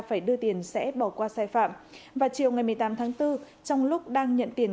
phải đưa tiền sẽ bỏ qua sai phạm vào chiều ngày một mươi tám tháng bốn trong lúc đang nhận tiền